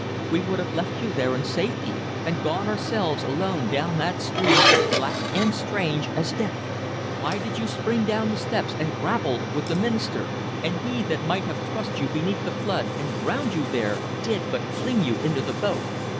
We would have left you there in safety, and gone ourselves alone down that stream as black and strange as death. Why did you spring down the steps and grapple with the minister? And he that might have thrust you beneath the flood and drowned you there did but fling you into the boat.